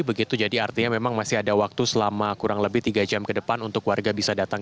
begitu jadi artinya memang masih ada waktu selama kurang lebih tiga jam ke depan untuk warga bisa datang